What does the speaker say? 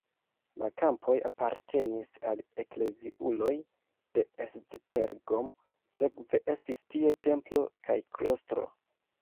La kampoj apartenis al ekleziuloj de Esztergom, sekve estis tie templo kaj klostro.